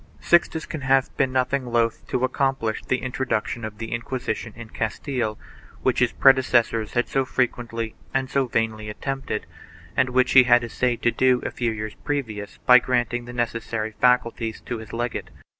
Sixtus can have been nothing loath to accomplish the intro duction of the Inquisition in Castile, which his predecessors had so frequently and so vainly attempted and which he had essayed to do a few years previous by granting the necessary faculties to his legate.